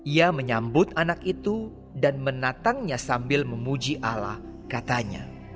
ia menyambut anak itu dan menatangnya sambil memuji ala katanya